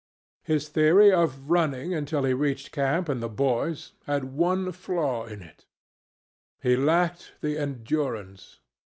His theory of running until he reached camp and the boys had one flaw in it: he lacked the endurance.